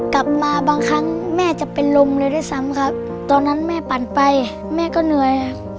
บางครั้งแม่จะเป็นลมเลยด้วยซ้ำครับตอนนั้นแม่ปั่นไปแม่ก็เหนื่อย